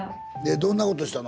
どんなことしたの？